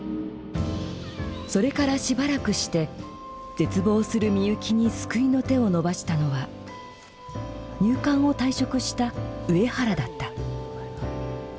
それからしばらくして絶望するミユキに救いの手を伸ばしたのは入管を退職した上原だった。